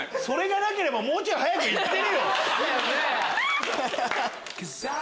それがなければもうちょい早く行ってるよ！